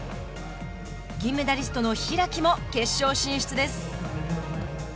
銀メダリストの開も決勝進出です。